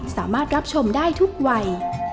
สามารถรับชมได้ทุกวัย